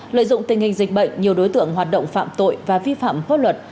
lợi dụng tình hình dịch bệnh nhiều đối tượng hoạt động phạm tội và vi phạm pháp luật